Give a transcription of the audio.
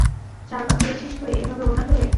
চার পাক ঘুরেছিস তুই, এভাবে ওড়না ধরে?